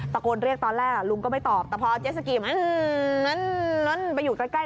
ตะโกนเรียกตอนแรกลุงก็ไม่ตอบแต่พอเจสสกีมันไปอยู่ใกล้